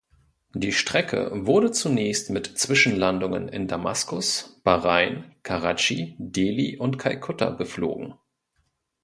Die Strecke wurde zunächst mit Zwischenlandungen in Damaskus, Bahrain, Karatschi, Delhi und Kalkutta beflogen.